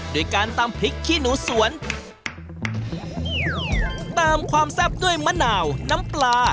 ด้วยการตำพริกขี้หนูสวนเติมความแซ่บด้วยมะนาวน้ำปลา